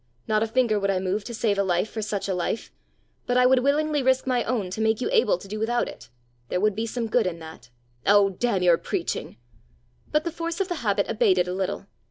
Not a finger would I move to save a life for such a life. But I would willingly risk my own to make you able to do without it. There would be some good in that!" "Oh, damn your preaching!" But the force of the habit abated a little.